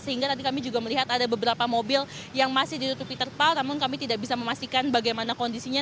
sehingga tadi kami juga melihat ada beberapa mobil yang masih ditutupi terpal namun kami tidak bisa memastikan bagaimana kondisinya